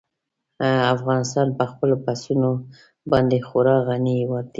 افغانستان په خپلو پسونو باندې خورا غني هېواد دی.